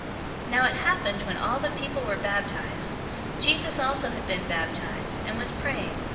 003:021 Now it happened, when all the people were baptized, Jesus also had been baptized, and was praying.